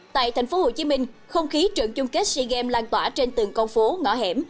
tại thành phố hồ chí minh không khí trận chung kết sea games lan tỏa trên từng con phố ngõ hẻm